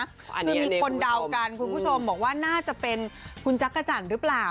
คือมีคนเดากันคุณผู้ชมบอกว่าน่าจะเป็นคุณจักรจันทร์หรือเปล่า